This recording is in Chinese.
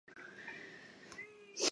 他是段廉义侄儿。